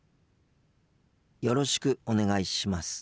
よろしくお願いします。